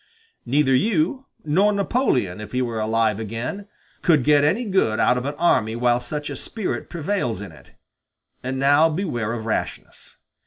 Neither you nor Napoleon, if he were alive again, could get any good out of an army while such a spirit prevails in it; and now beware of rashness.